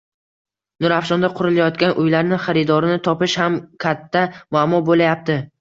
Nurafshonda qurilayotgan uylarni xaridorini topish ham katta muammo boʻlayapti.